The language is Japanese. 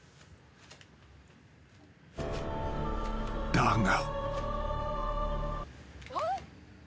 ［だが］